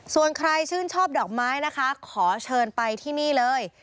ส่วนใครชื่นชอบดอกไม้นะคะขอเชิญไปที่นี่เลย